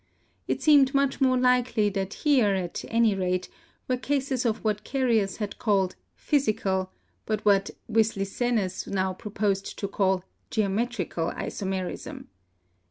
It seemed much more likely that here, at any rate, were cases of what Carius had called "physical," but what Wislicenus now proposed to call "geometrical isomerism."